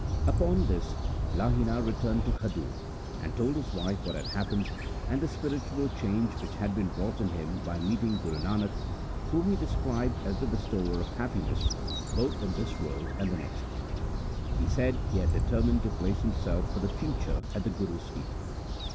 Upon this Lahina returned to Khadur, and told his wife what had happened and the spiritual change which had been wrought in him by meeting Guru Nanak, whom he described as the bestower of happiness both in this world and the B 2 4 THE SIKH RELIGION next. He said he had determined to place himself for the future at the Guru's feet.